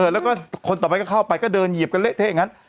แล้วก็คนต่อไปก็เข้าไปก็เดินเหยียบกันเละเทะอย่างนั้น